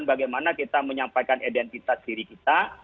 bagaimana kita menyampaikan identitas diri kita